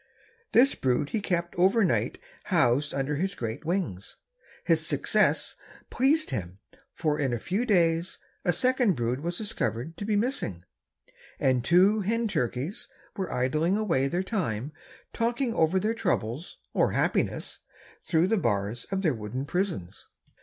This brood he kept over night housed under his great wings. His success pleased him, for in a few days a second brood was discovered to be missing, and two hen turkeys were idling away their time talking over their troubles or happiness through the bars of their wooden prisons.